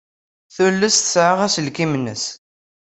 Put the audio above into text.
Tules tessaɣ aselkim-nnes.